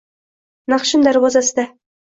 Naqshin darbozasida